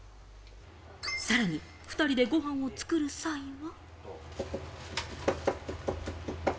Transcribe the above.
さらに２人でご飯を作る際は。